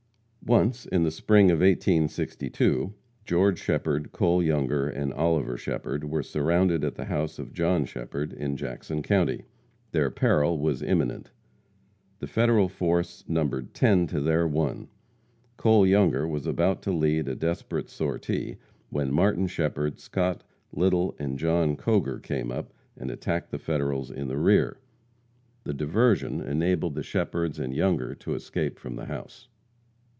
Once, in the spring of 1862, George Shepherd, Cole Younger and Oliver Shepherd were surrounded at the house of John Shepherd, in Jackson county. Their peril was imminent. The Federal force numbered ten to their one. Cole Younger was about to lead a desperate sortie, when Martin Shepherd, Scott, Little and John Coger came up and attacked the Federals in the rear. The diversion enabled the Shepherds and Younger to escape from the house.